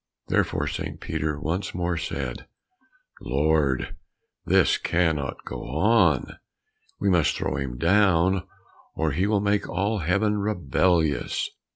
Therefore St. Peter once more said, "Lord, this cannot go on, we must throw him down, or he will make all Heaven rebellious."